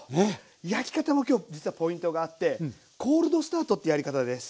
焼き方も今日実はポイントがあってコールドスタートってやり方です。